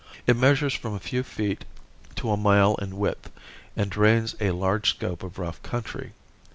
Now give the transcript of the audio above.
It measures from a few feet to a mile in width and drains a large scope of rough country.